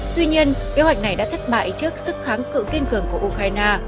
tuy nhiên kế hoạch này đã thất bại trước sức kháng cự kiên cường của ukraine